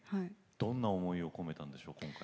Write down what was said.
どんな思いを込めたんでしょう。